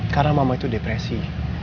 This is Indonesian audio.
karena mama itu depresi